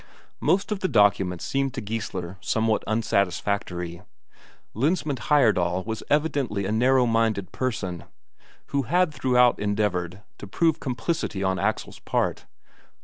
Most of the documents seemed to Geissler somewhat unsatisfactory; this Lensmand Heyerdahl was evidently a narrow minded person, who had throughout endeavoured to prove complicity on Axel's part.